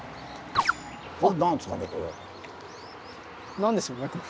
何でしょうねこれ。